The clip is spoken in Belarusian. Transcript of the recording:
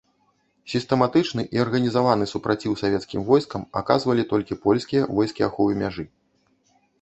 Сістэматычны і арганізаваны супраціў савецкім войскам аказвалі толькі польскія войскі аховы мяжы.